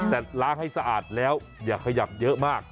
แต่ล้างให้สะอาดแล้วอย่าขยับเยอะมาก